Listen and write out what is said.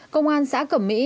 công an xã cẩm mỹ